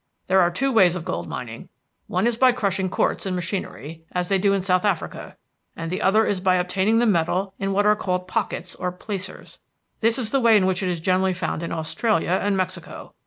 "There are two ways of gold mining. One is by crushing quartz in machinery, as they do in South Africa, and the other is by obtaining the metal in what are called pockets or placers. This is the way in which it is generally found in Australia and Mexico.